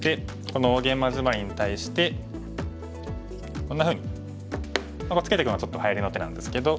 この大ゲイマジマリに対してこんなふうにツケていくのがちょっとはやりの手なんですけど。